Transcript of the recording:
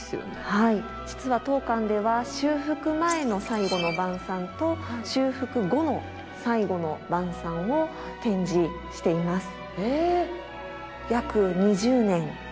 はい実は当館では修復前の「最後の晩餐」と修復後の「最後の晩餐」を展示しています。